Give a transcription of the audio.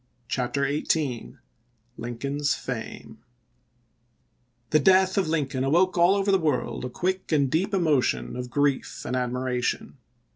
CHAPTER XVIH LINCOLN'S FAME THE death of Lincoln awoke all over the world ch. xviii a quick and deep emotion of grief and admi im. ration.